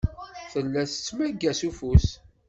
Tella tettmagga s ufus.